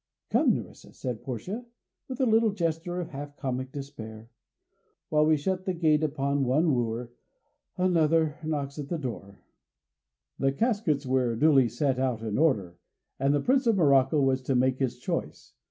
"Come, Nerissa," said Portia, with a little gesture of half comic despair. "While we shut the gates upon one wooer, another knocks at the door." The caskets were duly set out in order, and the Prince of Morocco was to make his choice.